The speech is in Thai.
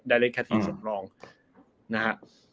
ได้เล่นแค่ทีมสำรองนะครับ